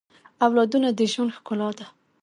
اولادونه د ژوند ښکلا ده